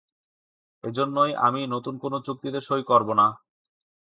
এজন্যই আমি নতুন কোন চুক্তিতে সই করবো না।